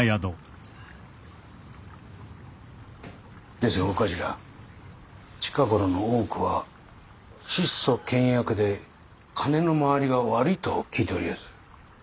ですが長官近頃の大奥は質素倹約で金の回りが悪いと聞いておりやす。